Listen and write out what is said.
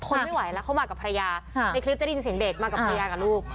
ไม่ไหวแล้วเขามากับภรรยาในคลิปจะได้ยินเสียงเด็กมากับภรรยากับลูก